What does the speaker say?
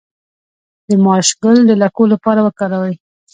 د ماش ګل د لکو لپاره وکاروئ